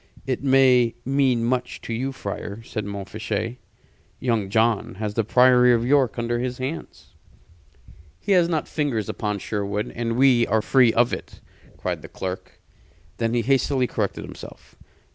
"It may mean much to you, friar," said Montfichet. "Young John has the Priory of York under his hands." "He has not fingers upon Sherwood, and we are free of it!" cried the clerk. Then he hastily corrected himself.